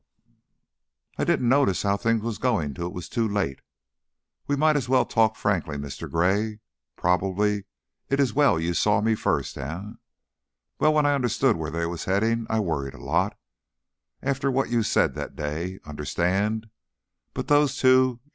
"I didn't notice how things was going till if was too late. We might as well talk frankly, Mr. Gray. Prob'ly it's well you saw me first, eh? Well, when I understood where they was heading, I worried a lot after what you said that day, understand? But those two!